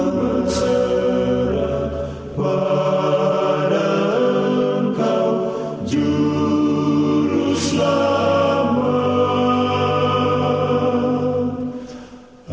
kepada engkau juru selamat